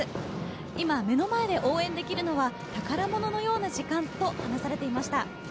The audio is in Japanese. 今、目の前で応援できるのは宝物のような時間と話されていました。